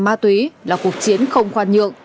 ma túy là cuộc chiến không khoan nhượng